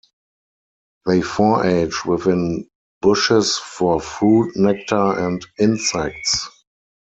They forage within bushes for fruit, nectar and insects.